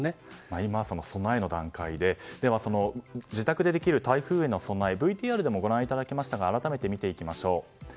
今は、備えの段階で自宅でできる台風への備えＶＴＲでもご覧いただきましたが改めて見ていきましょう。